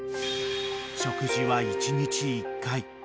［食事は１日１回］